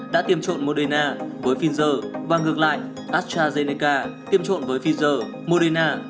đã tiêm trộn moderna với pfizer và ngược lại astrazeneca tiêm trộn với pfizer moderna